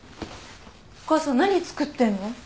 お母さん何作ってるの？